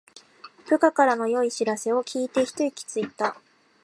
部下からの良い知らせを聞いてひと息ついた